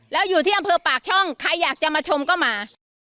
แล้วอยู่ที่อำเภอปากช่องใครอยากจะมาชมก็มา